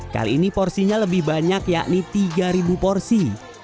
kali ini porsinya lebih banyak yakni tiga porsi